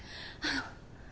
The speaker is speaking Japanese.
あの。